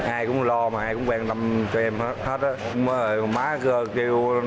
ai cũng lo ai cũng quan tâm cho em hết